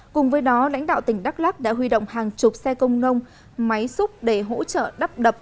cùng với đó lãnh đạo tỉnh đắk lắc đã huy động hàng chục xe công nông máy xúc để hỗ trợ đắp đập